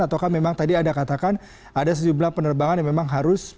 ataukah memang tadi anda katakan ada sejumlah penerbangan yang memang harus